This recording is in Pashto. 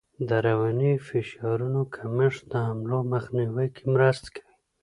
د رواني فشارونو کمښت د حملو مخنیوی کې مرسته کوي.